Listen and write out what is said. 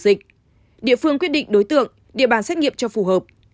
với trường hợp cách ly y tế địa phương quyết định đối tượng địa bàn xét nghiệm cho phù hợp